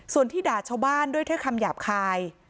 ส่วนที่ด่าชาวบ้านด้วยคำหยาบคาย